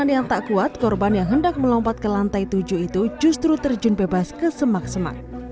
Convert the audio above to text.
korban yang tak kuat korban yang hendak melompat ke lantai tujuh itu justru terjun bebas ke semak semak